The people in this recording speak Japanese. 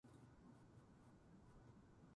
明日は少し遠くへ出かける予定です。